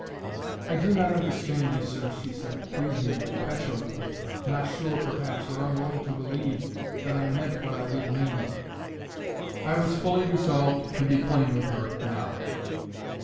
"I do not understand you, sir," she said, freezingly, petulantly, not sure, perhaps, or unwilling to believe, that I meant what I did mean. I was fully resolved to be plain with her now.